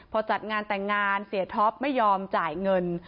พอจัดงานแต่งงานเสียท็อปไม่ยอมจ่ายเงิน